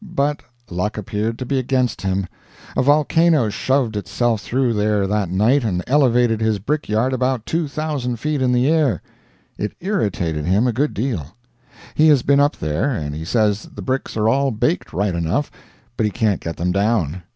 But luck appeared to be against him. A volcano shoved itself through there that night, and elevated his brickyard about two thousand feet in the air. It irritated him a good deal. He has been up there, and he says the bricks are all baked right enough, but he can't get them down.